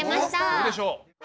どうでしょう？